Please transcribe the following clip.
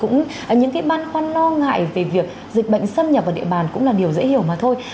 những cái băn khoăn lo ngại về việc dịch bệnh xâm nhập vào địa bàn cũng là điều dễ hiểu mà thôi